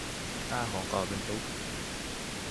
หน้าของเขาเป์นทุกข์